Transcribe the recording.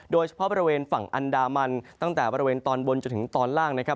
โดยเฉพาะบริเวณฝั่งอันดามันตั้งแต่บริเวณตอนบนจนถึงตอนล่างนะครับ